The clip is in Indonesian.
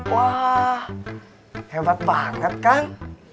wah hebat banget kang